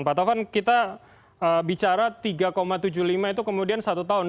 pak taufan kita bicara tiga tujuh puluh lima itu kemudian satu tahun